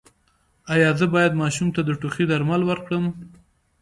ایا زه باید ماشوم ته د ټوخي درمل ورکړم؟